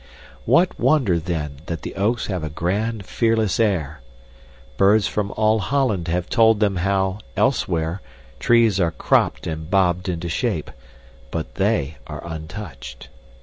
What wonder, then, that the oaks have a grand, fearless air? Birds from all Holland have told them how, elsewhere, trees are cropped and bobbed into shape but THEY are untouched.